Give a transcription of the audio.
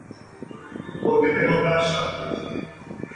Dirigida por Herbert Ross.